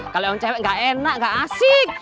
kalau yang cewek gak enak gak asik